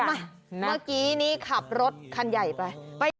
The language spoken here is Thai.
เมื่อกี้นี้ขับรถคันใหญ่ไป